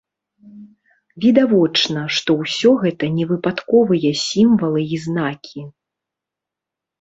Відавочна, што ўсё гэта не выпадковыя сімвалы і знакі.